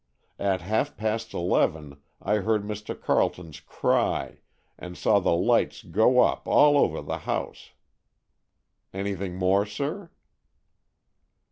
At half past eleven I heard Mr. Carleton's cry, and saw the lights go up all over the house. Anything more, sir?"